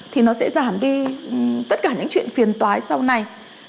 thì nó sẽ giảm đi tất cả những chuyện phiền toái sau này